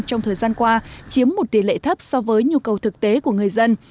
trong thời gian qua chiếm một tỷ lệ thấp so với nhu cầu thực tế của người dân